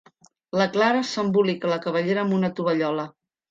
La Clara s'embolica la cabellera amb una tovallola.